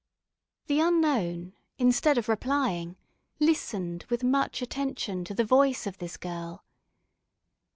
The unknown, instead of replying, listened with much attention to the voice of this girl.